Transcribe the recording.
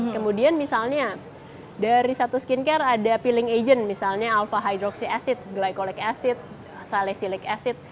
kemudian misalnya dari satu skincare ada feeling agent misalnya alpha hydroxy acid glycollic acid salessilic acid